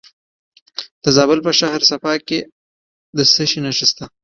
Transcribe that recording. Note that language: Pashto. د زابل په شهر صفا کې د څه شي نښې دي؟